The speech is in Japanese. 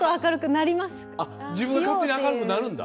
自分が勝手に明るくなるんだ。